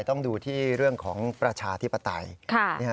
ต้องดูที่เรื่องของประชาธิปไตย